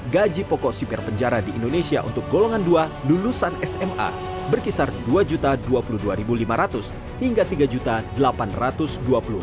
gaji pokok sipir penjara di indonesia untuk golongan dua lulusan sma berkisar rp dua dua puluh dua lima ratus hingga rp tiga delapan ratus dua puluh